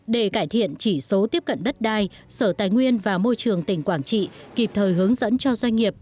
để cải thiện chỉ số tiếp cận đất đai sở tài nguyên và môi trường tỉnh quảng trị kịp thời hướng dẫn cho doanh nghiệp